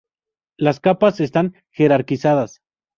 Las capas están jerarquizadas.